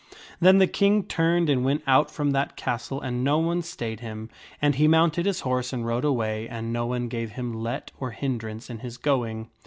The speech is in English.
Then the King turned and went out from that castle and no one stayed him, and he mounted his horse and rode away, and no one gave him let or hindrance in his going.